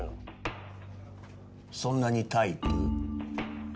そんなにタイプ？